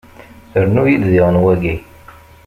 Rnu-iyi-d diɣen wagi.